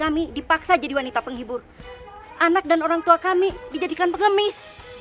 kami dipaksa jadi wanita penghibur anak dan orang tua kami dijadikan pengemis